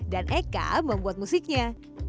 dan eka membuat musiknya